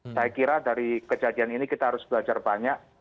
saya kira dari kejadian ini kita harus belajar banyak